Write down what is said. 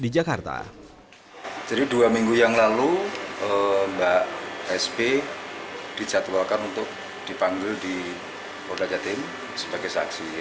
jadi dua minggu yang lalu mbak sp dijadwalkan untuk dipanggil di polda jatim sebagai saksi